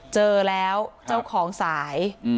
เจอแล้วเจ้าของสาย